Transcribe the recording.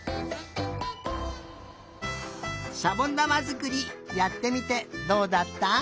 しゃぼんだまづくりやってみてどうだった？